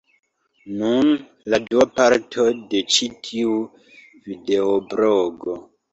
Nun, la dua parto de ĉi tiu videoblogo: